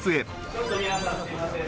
ちょっと皆さんすいません。